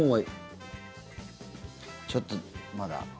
ちょっと、まだ。